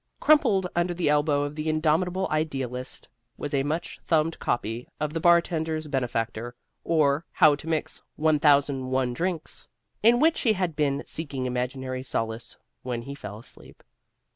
Crumpled under the elbow of the indomitable idealist was a much thumbed copy of The Bartender's Benefactor, or How to Mix 1001 Drinks, in which he had been seeking imaginary solace when he fell asleep.